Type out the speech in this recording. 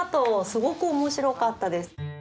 すごく面白かったです。